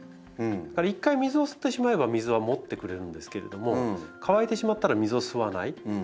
一回水を吸ってしまえば水はもってくれるんですけれども乾いてしまったら水を吸わない。